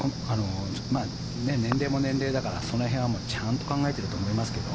年齢も年齢だからその辺はちゃんと考えていると思いますけど。